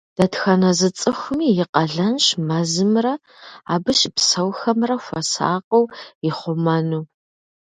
Дэтхэнэ зы цӀыхуми и къалэнщ мэзымрэ абы щыпсэухэмрэ хуэсакъыу ихъумэну.